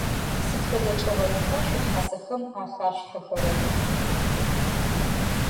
Сыд фэдэ чӏыгъэшӏуха шъуихьасэхэм ахашъулъхьэхэрэр?